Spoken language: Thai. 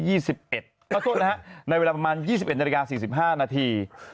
ขอโทษนะฮะในเวลาประมาณ๒๑นาฬิกา๔๕นาที